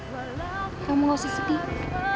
kamu gak usah sedih